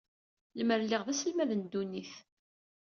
Limer lliɣ d aselmad n ddunit.